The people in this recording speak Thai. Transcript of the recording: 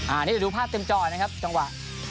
อันนี้เดี๋ยวดูภาพเต็มจอนะครับจังหวะ